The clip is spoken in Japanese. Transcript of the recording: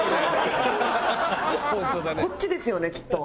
こっちですよねきっと。